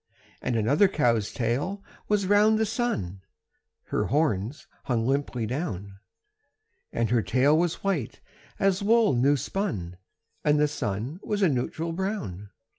And another cow's tail was round the sun (Her horns hung limply down); And her tail was white as wool new spun, And the sun was a neutral brown.